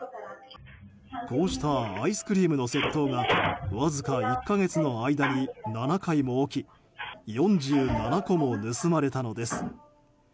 こうしたアイスクリームの窃盗がわずか１か月の間に７回も起き４７個も盗まれたのです。